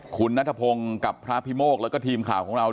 คุณนัทพงศ์กับพระพิโมกแล้วก็ทีมข่าวของเรา